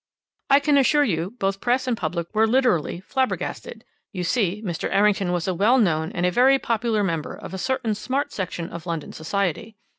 "I can assure you both press and public were literally flabbergasted. You see, Mr. Errington was a well known and very popular member of a certain smart section of London society.